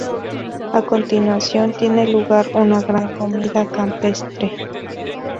A continuación tiene lugar una gran comida campestre.